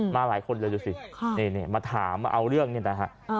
หลายคนเลยดูสินี่มาถามมาเอาเรื่องนี่นะฮะ